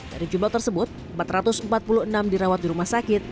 dari jumlah tersebut empat ratus empat puluh enam dirawat di rumah sakit